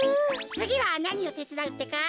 つぎはなにをてつだうってか？